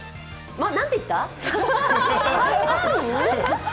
何て言った、３万？